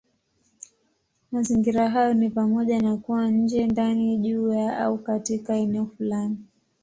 Mazingira hayo ni pamoja na kuwa nje, ndani, juu ya, au katika eneo fulani.